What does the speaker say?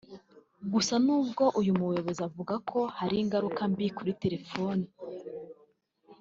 Gusa n’ubwo uyu muyobozi avuga ko hari ingaruka mbi kuri telephone